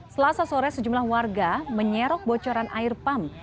selasa sore sejumlah warga menyerok bocoran air pump